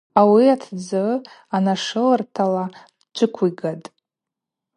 Ауи атдзы анашылыртала дджвыквидатӏ.